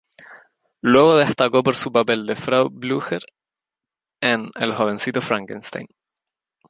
Luego, destacó por su papel de Frau Blücher en "El jovencito Frankenstein".